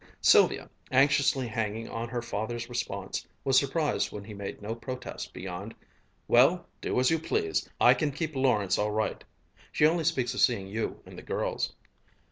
Sylvia, anxiously hanging on her father's response, was surprised when he made no protest beyond, "Well, do as you please. I can keep Lawrence all right. She only speaks of seeing you and the girls."